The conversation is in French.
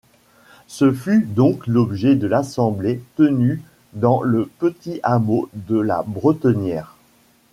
Ce fut donc l’objet de l’assemblée tenue dans le petit hameau de la Bretenière.